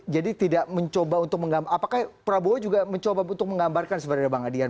jadi tidak mencoba untuk menggambarkan apakah prabowo juga mencoba untuk menggambarkan sebenarnya bang adian